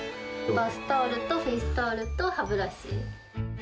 バスタオルとフェイスタオルと歯ブラシ。